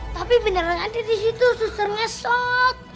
tapi beneran ada disitu susar nyesot